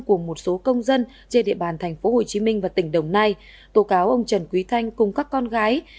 cùng một số công dân trên địa bàn tp hcm và tỉnh đồng nai tố cáo ông trần quý thanh cùng các con gái